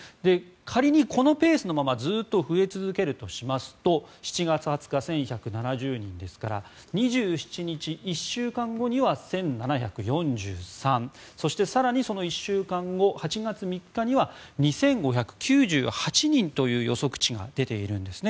仮にこのペースのままずっと増え続けるとしますと７月２０日に１１７０人ですから２７日、１週間後には１７４３人そして更にその１週間後８月３日には２５９８人という予測値が出ているんですね。